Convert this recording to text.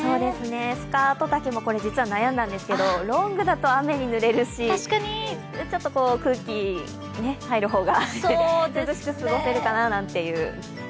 スカート丈も悩んだんですけど、ロングだと雨に濡れるしちょっと空気入る方が涼しく過ごせるかななんていう。